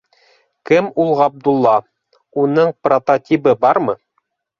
Кем ул Ғабдулла, уның прототибы бармы?